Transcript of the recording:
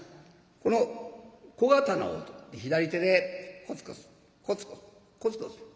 この小刀を取って左手でコツコツコツコツコツコツ。